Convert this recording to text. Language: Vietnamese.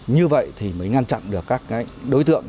như vậy thì mới ngăn chặn được các đối tượng